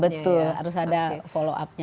betul harus ada follow up nya